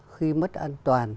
khi mất an toàn